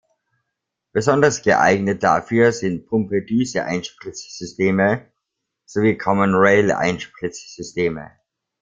Besonders geeignet dafür sind Pumpe-Düse-Einspritzsysteme sowie Common-Rail-Einspritzsysteme.